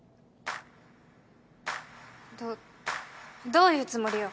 どどういうつもりよ？